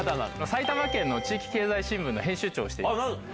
埼玉県の地域経済新聞の編集長をしてます。